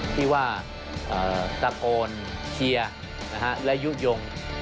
ที่ว่าตะโกนเชียร์และยุโยง